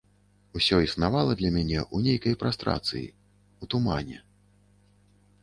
Усё існавала для мяне ў нейкай прастрацыі, у тумане.